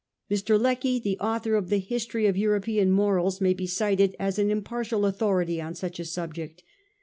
Mr. Lecky, the author of the * History of European Morals,' may be cited as an impartial autho rity on such a subject.